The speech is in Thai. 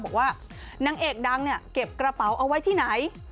บอกว่านางเอกดังเนี่ยเก็บกระเป๋าเอาไว้ที่ไหน